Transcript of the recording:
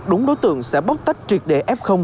đúng đối tượng sẽ bóc tách triệt đệ f